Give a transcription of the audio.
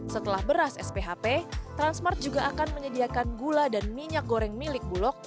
setelah beras sphp transmart juga akan menyediakan gula dan minyak goreng milik bulog